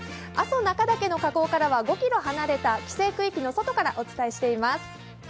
阿蘇中岳の火口からは５ｋｍ離れた規制区域の外からお伝えしています。